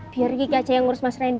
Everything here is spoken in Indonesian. biar kiki aja yang ngurus mas randy